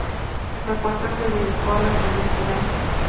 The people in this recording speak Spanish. La cuarta se dedicó a la publicidad.